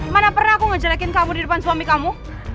mana pernah aku ngejelekin kamu di depan suami kamu